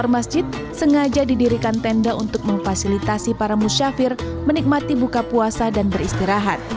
masjid yang diberi konsep sebagai masjid muslim